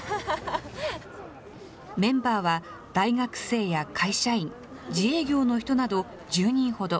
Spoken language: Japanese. メンバーは大学生や会社員、自営業の人など１０人ほど。